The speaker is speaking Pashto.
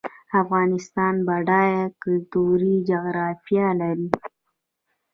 افغانستان بډایه کلتوري جغرافیه لري